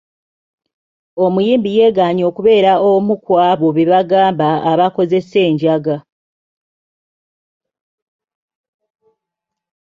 Omuyimbi yegaanye okubeera omu ku abo be bagamba abakozesa enjaga.